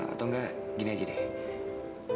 atau enggak gini aja deh